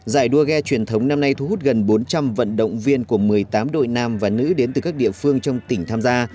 giải đua ghe truyền thống năm nay thu hút gần bốn trăm linh vận động viên của một mươi tám đội nam và nữ đến từ các địa phương trong tỉnh tham gia